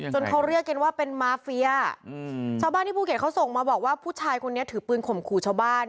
เขาเรียกกันว่าเป็นมาเฟียชาวบ้านที่ภูเก็ตเขาส่งมาบอกว่าผู้ชายคนนี้ถือปืนข่มขู่ชาวบ้าน